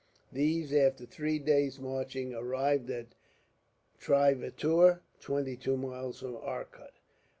These, after three days' marching, arrived at Trivatoor, twenty two miles from Arcot.